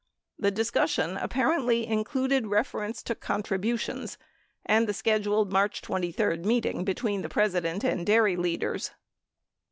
The discussion apparently included reference to contributions and the scheduled March 23 meeting between the President and dairy leaders.